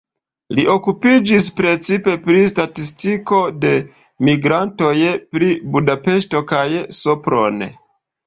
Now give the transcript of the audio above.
Li okupiĝis precipe pri statistiko de migrantoj, pri Budapeŝto kaj Sopron.